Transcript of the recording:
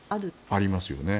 ありますよね。